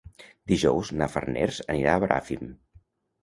Dijous na Farners anirà a Bràfim.